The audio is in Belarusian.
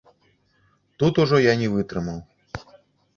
Тут ужо я не вытрымаў.